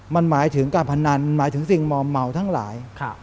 มันหมายถึงการพนันหมายถึงสิ่งมอมเมาทั้งหลาย